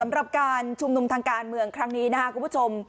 สำหรับการชุมนุมทางการเมืองครั้งนี้นะครับคุณผู้ชม